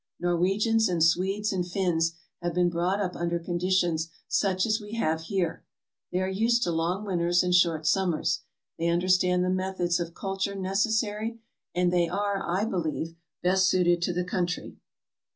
Norwegians and Swedes and Finns have been brought up under conditions such as we have here. They are used to long winters and short summers; they understand the methods of culture necessary, and they are, I believe, best suited to the country."